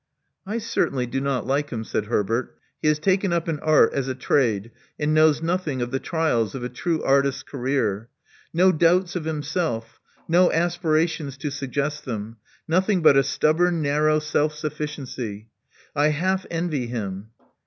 I certainly do not like him," said Herbert. He has taken up an art as a trade, and knows nothing of the trials of a true artist's career. No doubts of him self; no aspirations to suggest them; nothing but a stubborn narrow self sufficiency. I half envy him."